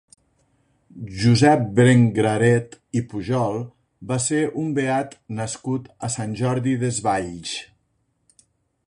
Josep Brengaret i Pujol va ser un beat nascut a Sant Jordi Desvalls.